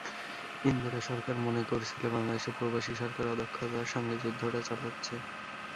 ইন্দিরা সরকার মনে করছিল, বাংলাদেশের প্রবাসী সরকার অদক্ষতার সঙ্গে যুদ্ধটা চালাচ্ছে।